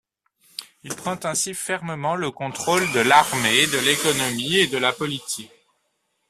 Il prend ainsi fermement le contrôle de l'armée, de l'économie et de la politique.